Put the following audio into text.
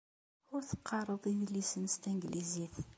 Ur teqqareḍ idlisen s tanglizit.